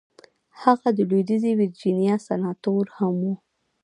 هغه د لويديځې ويرجينيا سناتور هم دی.